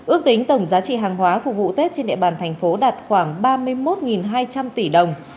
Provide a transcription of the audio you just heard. ước tính tổng giá trị hàng hóa phục vụ tết trên địa bàn thành phố đạt khoảng ba mươi một hai trăm linh tỷ đồng